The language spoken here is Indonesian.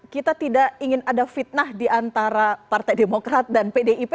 kita tidak ingin ada fitnah diantara partai demokrat dan pdip